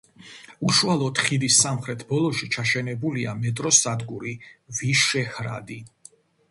უშუალოდ ხიდის სამხრეთ ბოლოში ჩაშენებულია მეტროს სადგური „ვიშეჰრადი“.